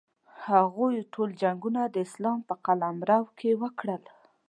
هغوی ټول جنګونه د اسلام په قلمرو کې وکړل.